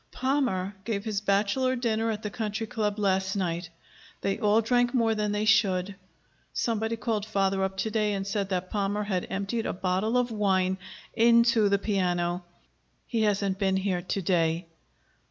"Palmer gave his bachelor dinner at the Country Club last night. They all drank more than they should. Somebody called father up to day and said that Palmer had emptied a bottle of wine into the piano. He hasn't been here to day."